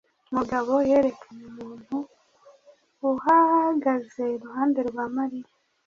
Mugabo yerekanye umuntu uhagaze iruhande rwa Mariya.